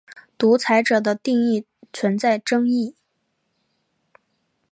独裁者的定义存在争议。